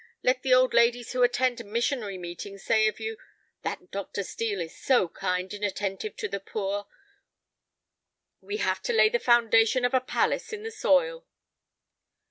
Let the old ladies who attend missionary meetings say of you, 'that Dr. Steel is so kind and attentive to the poor.' We have to lay the foundation of a palace in the soil."